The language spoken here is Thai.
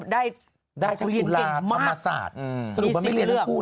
ได้ทั้งจุฬาธรรมศาสตร์สรุปมันไม่เรียนทั้งคู่